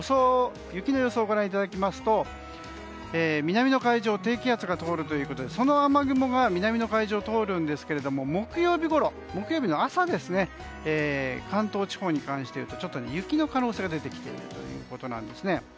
雪の予想をご覧いただきますと南の海上を低気圧が通るということでその雨雲が南の海上を通るんですけども木曜日の朝関東地方に関していうと雪の可能性が出てきているということなんです。